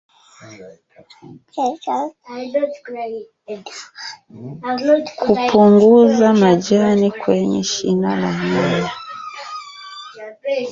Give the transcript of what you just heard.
Kupunguza majani kwenye shina la nyanya